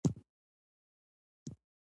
نني پروګرام ته ښه راغلاست.